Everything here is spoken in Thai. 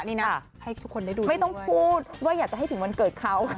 ไม่ต้องพูดให้จะให้ถึงวันเกิดเขา